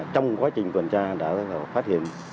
trong quá trình tuần tra đã phát hiện